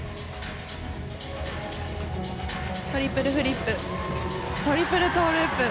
トリプルフリップトリプルトーループ。